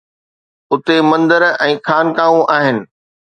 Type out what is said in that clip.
اتي مندر ۽ خانقاهون آهن